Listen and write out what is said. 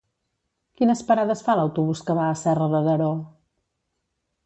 Quines parades fa l'autobús que va a Serra de Daró?